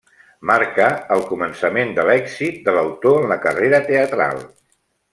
Marca el començament de l'èxit de l'autor en la carrera teatral.